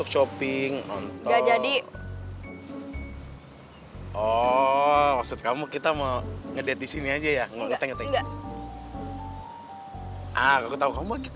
shopping nonton jadi oh maksud kamu kita mau ngedet di sini aja ya nggak